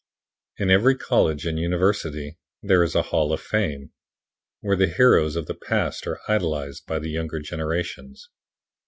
In every college and university there is a hall of fame, where the heroes of the past are idolized by the younger generations.